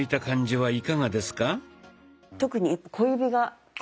はい。